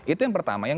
itu yang pertama